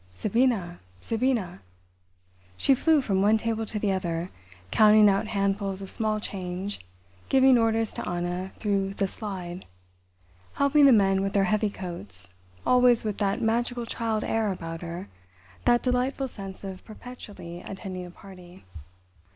"Sabina... Sabina...." She flew from one table to the other, counting out handfuls of small change, giving orders to Anna through the "slide," helping the men with their heavy coats, always with that magical child air about her, that delightful sense of perpetually attending a party.